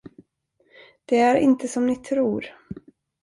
Det är inte som ni tror.